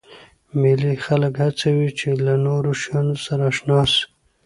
مېلې خلک هڅوي، چي له نوو شیانو سره اشنا سي.